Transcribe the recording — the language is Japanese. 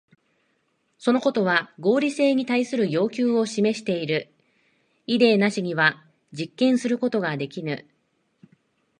そのことは合理性に対する要求を示している。イデーなしには実験することができぬ。